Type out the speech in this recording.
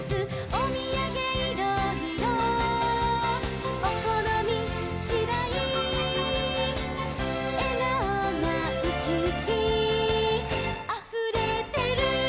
「おみやげいろいろおこのみしだい」「えがおがウキウキあふれてる」